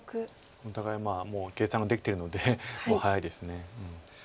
お互いもう計算ができてるので早いです。